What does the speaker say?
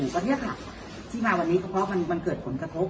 ตอนนี้ค่ะที่มาวันนี้ก็เพราะมันเกิดผลกระทบ